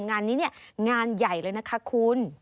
งานนี้งานใหญ่เลยนะคะคุณ